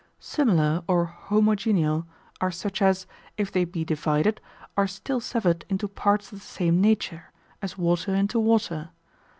Similar, or homogeneal, are such as, if they be divided, are still severed into parts of the same nature, as water into water.